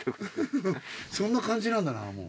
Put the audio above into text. そんな感じなんだなもう。